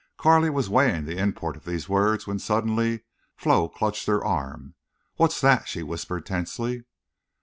Carley was weighing the import of these words when suddenly Flo clutched her arm. "What's that?" she whispered, tensely.